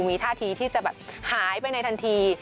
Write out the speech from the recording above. มีท่าทีที่จะแบบหายไปในทันที